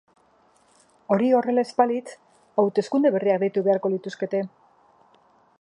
Hori horrela ez balitz, hauteskunde berriak deitu beharko lituzkete.